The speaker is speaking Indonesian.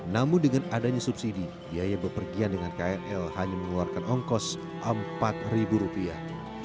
namun dengan adanya subsidi biaya bepergian dengan krl hanya mengeluarkan ongkos empat ribu rupiah